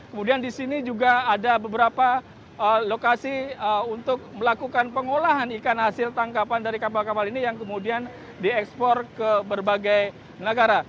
kemudian di sini juga ada beberapa lokasi untuk melakukan pengolahan ikan hasil tangkapan dari kapal kapal ini yang kemudian diekspor ke berbagai negara